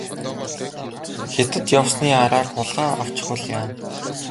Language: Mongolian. Хятад явсны араар хулгай авчихвал яана.